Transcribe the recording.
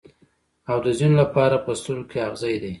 او د ځینو لپاره په سترګو کې اغزی دی.